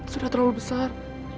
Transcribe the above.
sudah terlalu besar